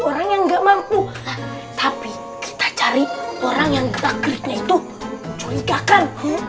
orang yang nggak mampu tapi kita cari orang yang gerak geriknya itu curiga kan